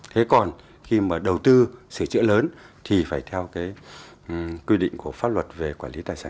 thế còn khi mà đầu tư sửa chữa lớn thì phải theo quy định của pháp luật về quản lý của đường băng này thôi